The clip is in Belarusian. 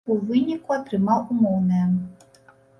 У выніку атрымаў умоўнае.